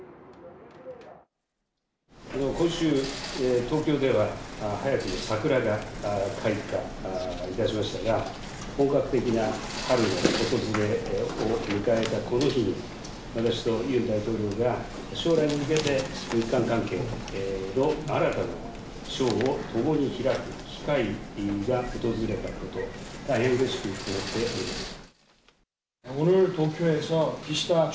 今週、東京では、早くも桜が開花いたしましたが、本格的な春の訪れを迎えたこの日に、私とユン大統領が将来に向けて、日韓関係の新たな章を共に開く機会が訪れたこと、大変うれしく思っております。